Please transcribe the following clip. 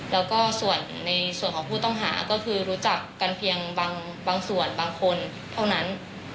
แล้วก็ส่วนในส่วนของผู้ต้องหาก็คือรู้จักกันเพียงบางส่วนบางคนเท่านั้น